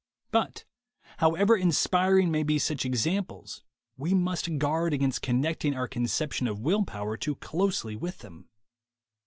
But however inspiring may be such examples, we must guard against connecting our conception of will power too closely with them.